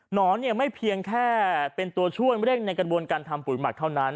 นอนไม่เพียงแค่เป็นตัวช่วยเร่งในกระบวนการทำปุ๋ยหมักเท่านั้น